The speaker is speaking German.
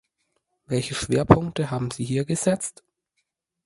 Welche Schwerpunkte haben Sie hier gesetzt?